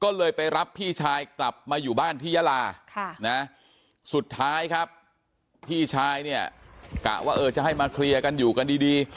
ก็เลยไปรับพี่ชายกลับมาอยู่บ้านที่ยาลาสุดท้ายครับพี่ชายเนี่ยกะว่าเออจะให้มาเคลียร์กันอยู่กันดี